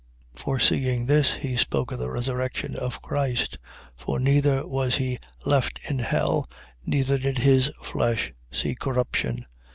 2:31. Foreseeing this, he spoke of the resurrection of Christ. For neither was he left in hell: neither did his flesh see corruption.